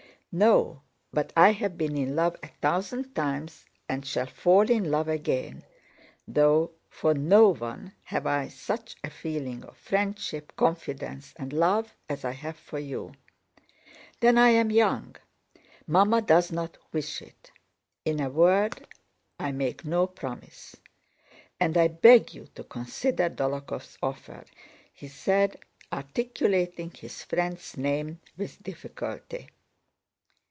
"No, but I have been in love a thousand times and shall fall in love again, though for no one have I such a feeling of friendship, confidence, and love as I have for you. Then I am young. Mamma does not wish it. In a word, I make no promise. And I beg you to consider Dólokhov's offer," he said, articulating his friend's name with difficulty.